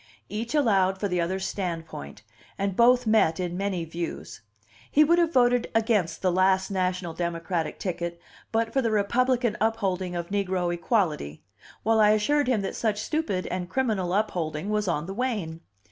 Each allowed for the other's standpoint, and both met in many views: he would have voted against the last national Democratic ticket but for the Republican upholding of negro equality, while I assured him that such stupid and criminal upholding was on the wane.